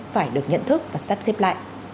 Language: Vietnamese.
phải được nhận thức và sắp xếp lại